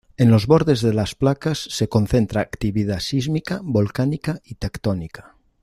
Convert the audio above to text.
En los bordes de las placas se concentra actividad sísmica, volcánica y tectónica.